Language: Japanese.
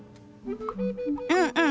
うんうん！